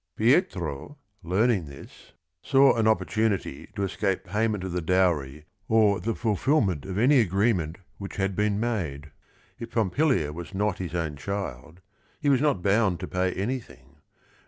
Pietro, learning this, saw an opportunity to escape payment of the dowry or the fulfilment of any agreement which had been made. If Pompilia was not his own child, he was not bound to pay anything.